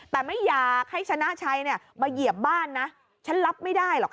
แต่ไม่อยากให้ชนะชัยมาเหยียบบ้านนะฉันรับไม่ได้หรอกค่ะ